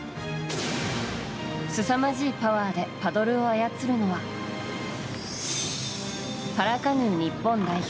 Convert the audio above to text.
すさまじいパワーでパドルを操るのはパラカヌー日本代表